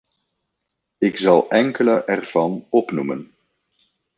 Ik zal enkele ervan opnoemen.